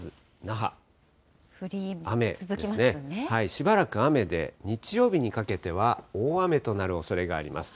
しばらく雨で、日曜日にかけては大雨となるおそれがあります。